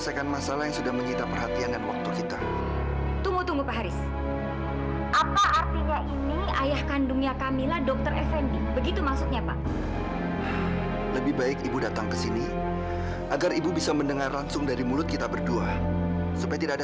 sampai jumpa di video selanjutnya